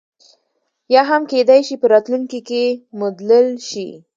یا هم کېدای شي په راتلونکي کې مدلل شي.